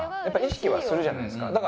やっぱ意識はするじゃないですか。